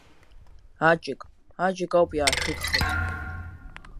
Аҷык, аҷык ауп иаашәыгхаз!